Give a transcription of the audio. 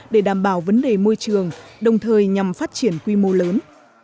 để đảm bảo vấn đề môi trường đồng thời nhằm phát triển quy mô lớn